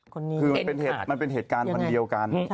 คือมันเป็นเหตุการณ์วันเดียวกัน